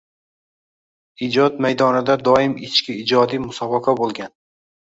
Ijod maydonida doim ichki ijodiy musobaqa bo`lgan